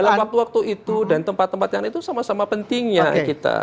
dalam waktu waktu itu dan tempat tempat yang itu sama sama pentingnya kita